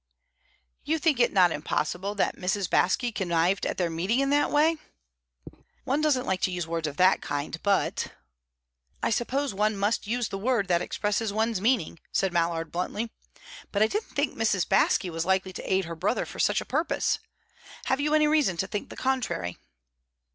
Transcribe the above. "You think it not impossible that Mrs. Baske connived at their meeting in that way?" "One doesn't like to use words of that kind, but " "I suppose one must use the word that expresses one's meaning," said Mallard, bluntly. "But I didn't think Mrs. Baske was likely to aid her brother for such a purpose. Have you any reason to think the contrary?"